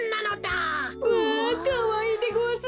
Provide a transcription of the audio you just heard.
うわかわいいでごわすな！